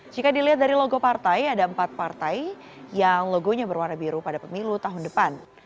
jika dilihat dari logo partai ada empat partai yang logonya berwarna biru pada pemilu tahun depan